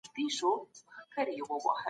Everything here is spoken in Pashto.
خلګ بايد د سياسي تېرايستني څخه وژغورل سي.